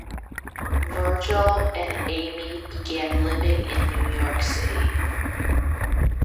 Virgil and Amy begin living in New York City.